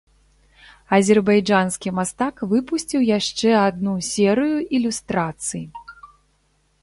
Азербайджанскі мастак выпусціў яшчэ адну серыю ілюстрацый.